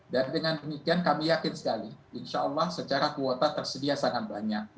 dan dengan demikian kami yakin sekali insya allah secara kuota tersedia sangat banyak